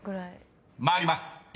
［参ります。